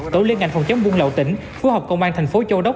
tổ liên ngành phòng chống buôn lậu tỉnh phối hợp công an thành phố châu đốc